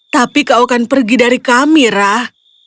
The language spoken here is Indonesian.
tapi kau akan pergi dari kami rah